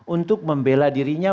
untuk membela dirinya